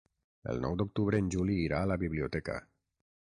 El nou d'octubre en Juli irà a la biblioteca.